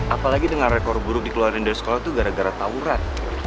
apalagi dengan rekor buruk dikeluarin dari sekolah itu gara gara tawuran